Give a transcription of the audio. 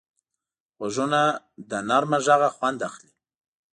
غوږونه له نرمه غږه خوند اخلي